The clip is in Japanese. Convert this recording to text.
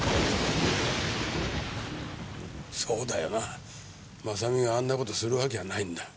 そうだよな真実があんな事する訳がないんだ。